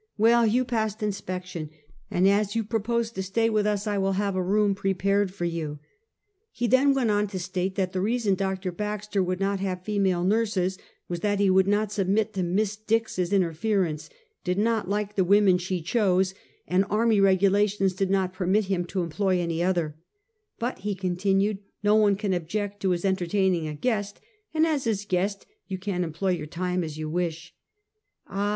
" Well. You passed inspection ; and as you pro pose to stay with us, I will have a room prepared for you." He then went on to state that the reason Doctor Baxter would not have female nurses, was that he would not submit to Miss Dix's interference, did not like the women she chose, and army regulations did not permit him to employ any other, " But," he continued, "no one can object to his en tertaining a guest, and as his guest you can employ your time as you wish." Ah